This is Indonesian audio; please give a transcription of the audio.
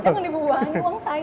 jangan dibuang dibuang saya loh